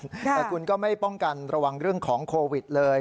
แต่คุณก็ไม่ป้องกันระวังเรื่องของโควิดเลย